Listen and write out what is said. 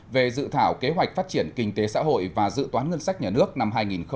về dự thảo kế hoạch phát triển kinh tế xã hội và dự toán ngân sách nhà nước năm hai nghìn hai mươi